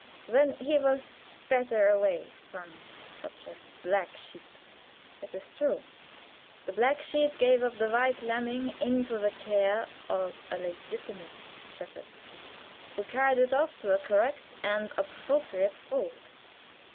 And then he was better away from such a black sheep. It is true. The black sheep gave up the white lambling into the care of a legitimate shepherd, who carried it off to a correct and appropriate fold.